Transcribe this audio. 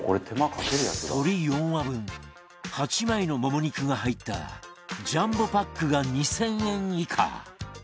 鶏４羽分８枚のもも肉が入ったジャンボパックが２０００円以下！